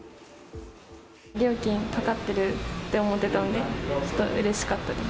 料金かかってると思ってたんで、ちょっとうれしかったです。